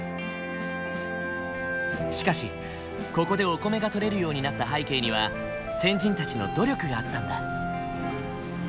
しかしここでお米がとれるようになった背景には先人たちの努力があったんだ。